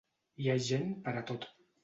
Hi ha gent per a tot.